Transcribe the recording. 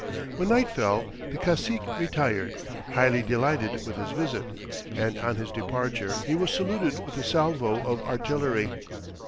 When night fell, the cacique retired, highly delighted with his visit; and on his departure he was saluted with a salvo of artillery.